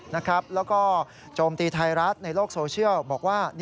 แล้วก็โจมตีไทยรัฐในโลกโซเชียลบอกว่า